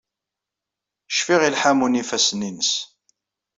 Cfiɣ i lḥamu n yifassen-nnes.